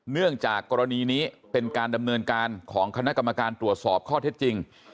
เนื่องจากกรณีนี้เป็นการดำเนินการของคณะกรรมการตรวจสอบข้อเท็จจริง